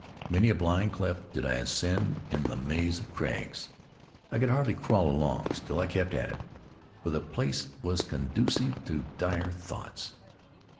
Many a blind cleft did I ascend in the maze of crags. I could hardly crawl along, still I kept at it, for the place was conducive to dire thoughts.